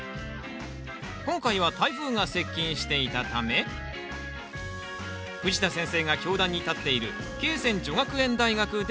今回は台風が接近していたため藤田先生が教壇に立っている恵泉女学園大学での収録です